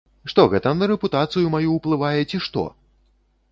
Што гэта на рэпутацыю маю ўплывае ці што?!